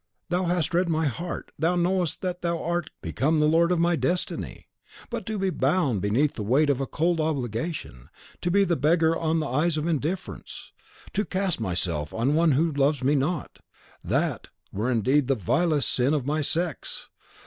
"Thou hast read my heart; thou knowest that thou art become the lord of my destiny. But to be bound beneath the weight of a cold obligation; to be the beggar on the eyes of indifference; to cast myself on one who loves me not, THAT were indeed the vilest sin of my sex.